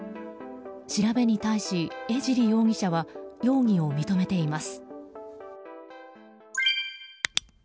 調べに対し江尻容疑者は容疑を認めています。